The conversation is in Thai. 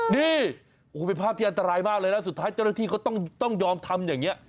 นี่โอ้โหเป็นภาพที่อันตรายมากเลยนะสุดท้ายเจ้าหน้าที่เขาต้องยอมทำอย่างนี้